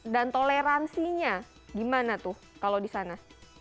dan toleransinya gimana tuh kalau di sana